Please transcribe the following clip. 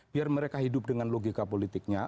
biar mereka hidup dengan logika politiknya